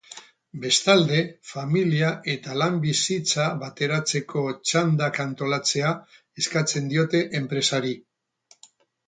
Bestalde, familia eta lan-bizitza bateratzeko txandak antolatzea eskatzen diote enpresari.